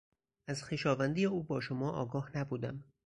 از خویشاوندی او با شما آگاه نبودم.